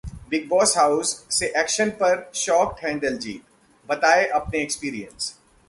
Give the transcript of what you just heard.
big boss house से eviction पर shocked हैं दलजीत, बताए अपने एक्सपीरियंस